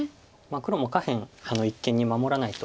黒も下辺一間に守らないと。